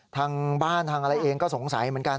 ทางบ้านทางอะไรเองก็สงสัยเหมือนกัน